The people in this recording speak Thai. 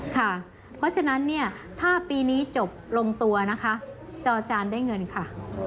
ค่ะเพราะฉะนั้นเนี่ยถ้าปีนี้จบลงตัวนะคะจอจานได้เงินค่ะ